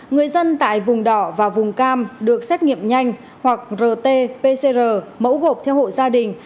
người dân tại vùng đỏ và vùng cam được xét nghiệm nhanh hoặc rt pcr mẫu gộp theo hộ gia đình